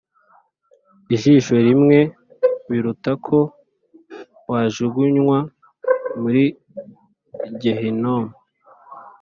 ijisho rimwe biruta ko wajugunywa muri Gehinomu